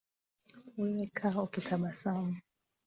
Wewe kaa ukitabasamu